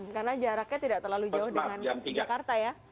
karena jaraknya tidak terlalu jauh dengan jakarta ya